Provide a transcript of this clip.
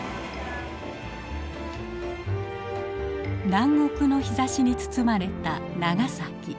南国の日ざしに包まれた長崎。